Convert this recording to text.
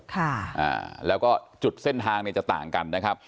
ค่ะอ่าแล้วก็จุดเส้นทางเนี่ยจะต่างกันนะครับ